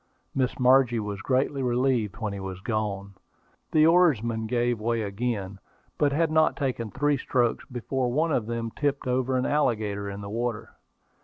Miss Margie was greatly relieved when he was gone. The oarsmen gave way again, but had not taken three strokes before one of them tipped over an alligator in the water.